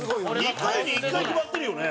２回に１回決まってるよね。